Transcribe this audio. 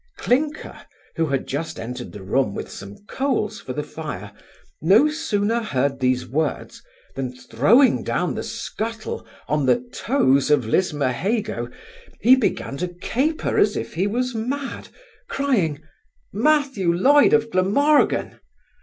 Clinker, who had just entered the room with some coals for the fire, no sooner heard these words, than throwing down the scuttle on the toes of Lismahago, he began to caper as if he was mad, crying 'Matthew Loyd of Glamorgan!